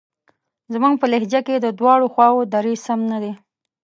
زموږ په لهجه کې د دواړو خواوو دریځ سم نه دی.